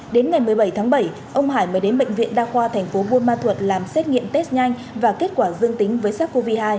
đến ngày một mươi bảy tháng bảy ông hải mới đến bệnh viện đa khoa thành phố buôn ma thuật làm xét nghiệm test nhanh và kết quả dương tính với sars cov hai